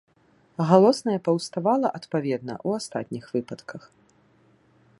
Галосная паўставала, адпаведна, у астатніх выпадках.